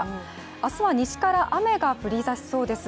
明日は西から雨が降りだしそうです。